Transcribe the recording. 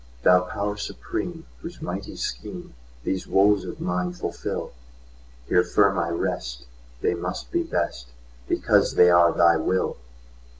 Thou Power Supreme, whose mighty schemeThese woes of mine fulfil, Here firm I rest; they must be best, Because they are Thy will!